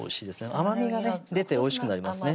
甘みがね出ておいしくなりますね